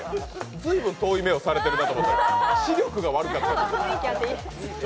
随分遠い目をされてるなと思ったら、視力が悪かったんや。